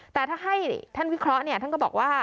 แต่ถ้าให้ท่านวิเคราะห์ท่านก็บอกว่า